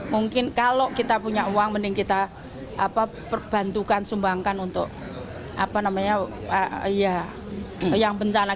mungkin kalau kita punya uang mending kita perbantukan sumbangkan untuk yang bencana